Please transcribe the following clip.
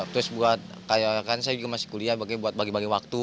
terus buat kayak kan saya juga masih kuliah buat bagi bagi waktu